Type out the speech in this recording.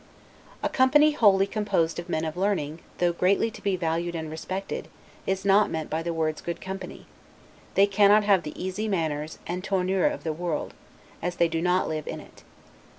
A company wholly composed of men of learning, though greatly to be valued and respected, is not meant by the words GOOD COMPANY; they cannot have the easy manners and, 'tournure' of the world, as they do not live in it.